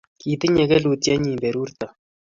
Kitinye ke ke kelutyet nyi berurto